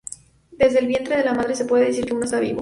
Desde el vientre de la madre se puede decir que uno está vivo.